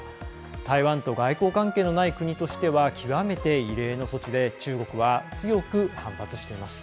台湾と外交関係のない国としては極めて異例の措置で中国は強く反発しています。